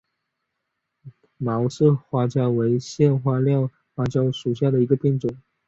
毛刺花椒为芸香科花椒属下的一个变种。